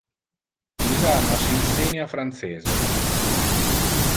Illa nos insenia francese.